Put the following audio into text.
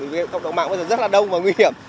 vì cộng đồng mạng bây giờ rất là đông và nguy hiểm